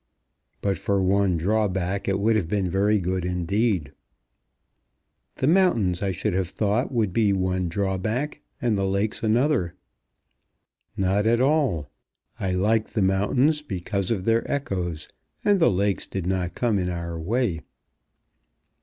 "But for one drawback it would have been very good indeed." "The mountains, I should have thought, would be one drawback, and the lakes another." "Not at all. I liked the mountains because of their echoes, and the lakes did not come in our way."